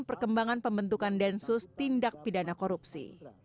perkembangan pembentukan densus tindak pidana korupsi